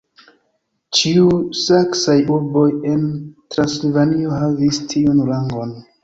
Ĉiuj saksaj urboj en Transilvanio havis tiun rangon.